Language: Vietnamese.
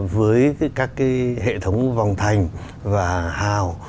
với các cái hệ thống vòng thành và hào